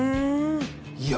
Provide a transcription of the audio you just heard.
いや。